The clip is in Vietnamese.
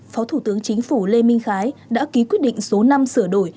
phó thủ tướng chính phủ lê minh khái đã ký quyết định số năm sửa đổi